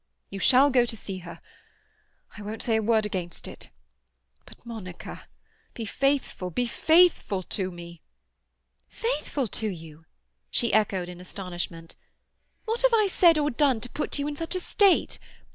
You shall go to see her; I won't say a word against it. But, Monica, be faithful, be faithful to me!" "Faithful to you?" she echoed in astonishment. "What have I said or done to put you in such a state?